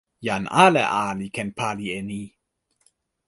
jan ale a li ken pali e ni!